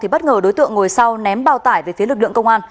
bất ngờ đối tượng ngồi sau ném bao tải về phía lực lượng công an